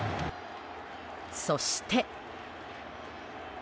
そして。